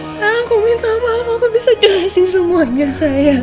sayang aku minta maaf aku bisa jelasin semuanya sayang